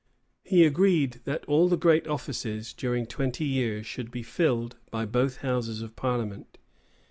[*] He agreed that all the great offices, during twenty years should be filled by both houses of parliament.